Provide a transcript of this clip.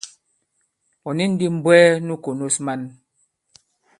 Ɔ̀ ni ndī m̀bwɛɛ nu kònos man.